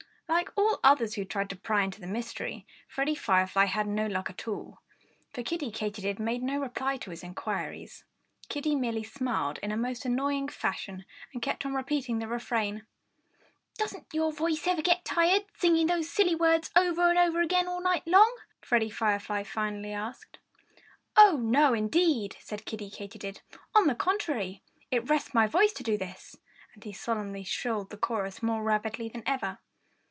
Like all others who tried to pry into the mystery, Freddie Firefly had no luck at all. For Kiddie Katydid made no reply to his inquiries. Kiddie merely smiled in a most annoying fashion and kept on repeating the refrain. "Doesn't your voice ever get tired, singing those silly words over and over again all night long?" Freddie Firefly finally asked. "Oh! no, indeed!" said Kiddie Katydid. "On the contrary it rests my voice to do this." And he solemnly shrilled the chorus more rapidly than ever.